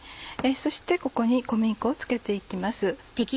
そしてここに小麦粉をつけて行きます。